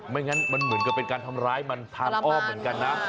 ไม่งั้นมันเหมือนกับเป็นการทำร้ายมันทางอ้อมเหมือนกันนะ